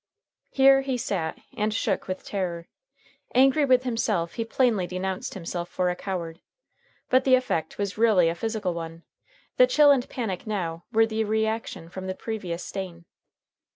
Here he sat and shook with terror. Angry with himself, he inly denounced himself for a coward. But the effect was really a physical one. The chill and panic now were the reaction from the previous strain.